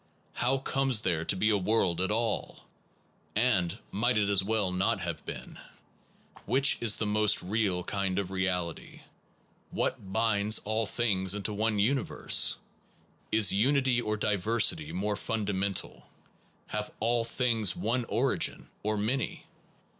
How comes there to be a world at all? and, Might it as well not have been? 29 SOME PROBLEMS OF PHILOSOPHY Which is the most real kind of reality? What binds all things into one universe? Is unity or diversity more fundamental? Have all things one origin? or many?